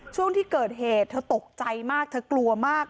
ช่วงที่เกิดเหตุเธอตกใจมากเธอกลัวมาก